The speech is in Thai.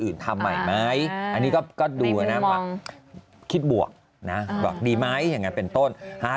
อื่นทำใหม่ไหมอันนี้ก็ดูนะว่าคิดบวกนะบอกดีไหมอย่างนั้นเป็นต้น